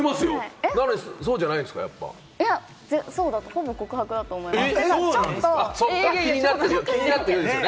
ほぼ告白だと思います。